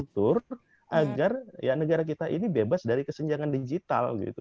diatur agar negara kita ini bebas dari kesenjangan digital gitu